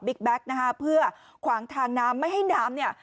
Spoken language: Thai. แก๊กนะฮะเพื่อขวางทางน้ำไม่ให้น้ำเนี่ย